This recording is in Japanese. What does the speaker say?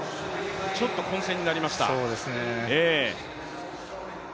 ちょっと混戦になりました。